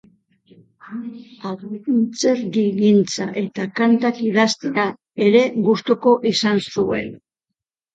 Antzerkigintza eta kantak idaztea ere gustuko izan zuen.